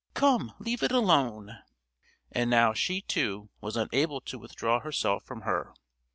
"Come, leave it alone!" And now she, too, was unable to withdraw herself from her.